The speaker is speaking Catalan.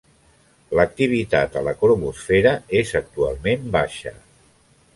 L'activitat a la cromosfera és actualment baixa.